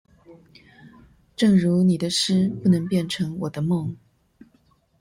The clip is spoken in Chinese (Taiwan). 正如你的詩不能變成我的夢